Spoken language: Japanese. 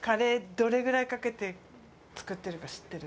どれぐらいかけて作ってるか知ってる？